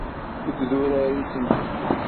Deg udrar-is imqeddes.